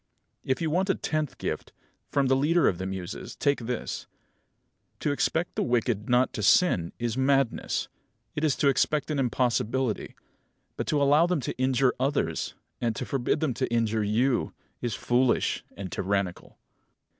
If you want a tenth gift, from the Leader of the Muses, take this: To expect the wicked not to sin is madness. It is to expect an impossibility. But to allow them to injure others, and to forbid them to injure you, is foolish and tyrannical.